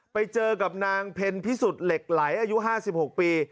ไปเจอกับนางเพ็ญพิสุทธิ์เหล็กไหลอายุ๕๖ปี